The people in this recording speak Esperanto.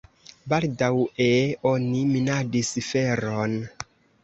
Baldaŭe oni minadis feron.